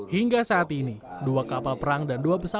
hingga saat ini dua kapal perang dan dua pesawat